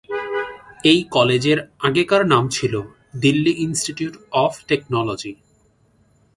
এই কলেজের আগেকার নাম ছিল দিল্লি ইনস্টিটিউট অফ টেকনোলজি।